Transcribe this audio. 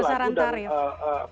besar antar ya